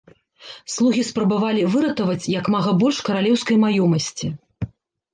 Слугі спрабавалі выратаваць як мага больш каралеўскай маёмасці.